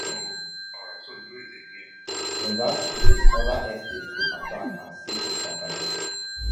In that case, other estates could attack and seek to conquer them.